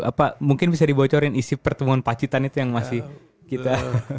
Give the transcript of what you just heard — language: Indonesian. apa mungkin bisa dibocorin isi pertemuan pacitan itu yang masih kita